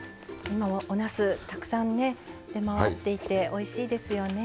今、おなすたくさん出回っていておいしいですよね。